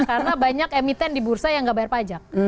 karena banyak emiten di bursa yang nggak bayar pajak